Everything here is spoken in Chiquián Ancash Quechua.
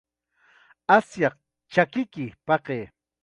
Asyaq chakiyki paqay.